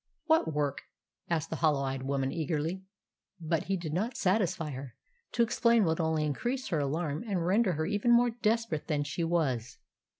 "What work?" asked the hollow eyed woman eagerly. But he did not satisfy her. To explain would only increase her alarm and render her even more desperate than she was.